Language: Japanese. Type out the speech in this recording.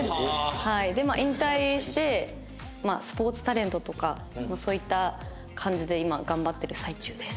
でまあ引退してスポーツタレントとかそういった感じで今頑張ってる最中です。